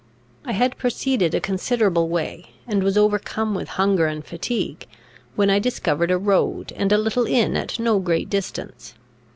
I had proceeded a considerable way, and was overcome with hunger and fatigue, when I discovered a road and a little inn at no great distance.